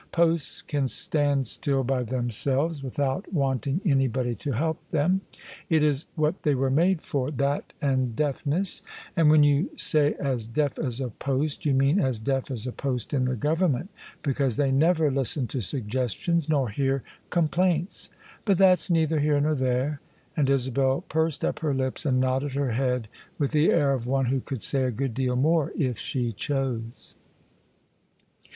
Posts can stand still by them selves, without wanting anybody to help them. It is what they were made for: that and deafness: and when you say ' as deaf as a post,' you mean as deaf as a post in the Govern ment, because they never listen to suggestions nor hear com plaints. But that's neither here nor there." And Isabel pursed up her lips and nodded her head with the air of one who could say a good deal more if she chose.